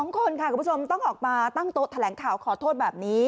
๒คนค่ะคุณผู้ชมต้องออกมาตั้งโต๊ะแถลงข่าวขอโทษแบบนี้